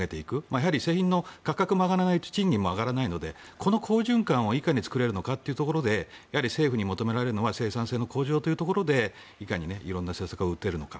やはり製品の価格が上がらないと賃金も上がらないのでこの好循環をいかに作れるのかというところでやはり政府に求められるのは生産性の向上ということでいかに色んな政策が打てるのか。